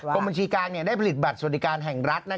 กรมบัญชีกลางได้ผลิตบัตรสวัสดิการแห่งรัฐ